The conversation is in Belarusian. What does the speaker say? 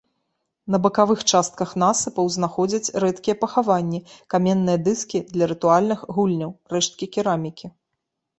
На бакавых частках насыпаў знаходзяць рэдкія пахаванні, каменныя дыскі для рытуальных гульняў, рэшткі керамікі.